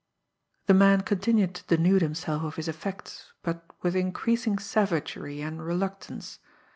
The man continued to denude himself of his effects, but with increasing savagery and reluctance.